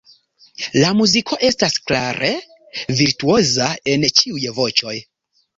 La muziko estas klare ‘virtuoza’ en ĉiuj voĉoj.